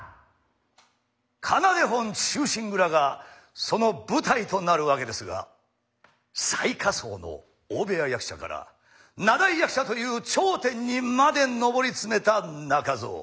「仮名手本忠臣蔵」がその舞台となるわけですが最下層の大部屋役者から名題役者という頂点にまで上り詰めた中蔵。